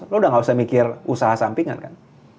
lo udah gak usah mikir usaha sampingan kan